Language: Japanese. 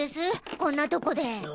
こんなとこで？